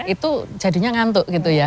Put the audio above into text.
itu jadinya ngantuk gitu ya